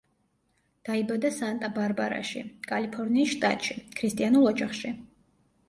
დაიბადა სანტა-ბარბარაში, კალიფორნიის შტატში, ქრისტიანულ ოჯახში.